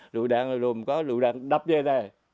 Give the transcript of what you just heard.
lựu đạn lùm có lựu đạn đập về nè